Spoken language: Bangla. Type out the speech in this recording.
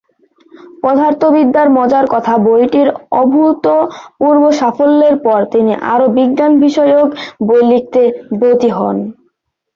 পদার্থবিদ্যার মজার কথা বইটির অভূতপূর্ব সাফল্যের পর তিনি আরো বিজ্ঞান বিষয়ক বই লিখতে ব্রতী হন।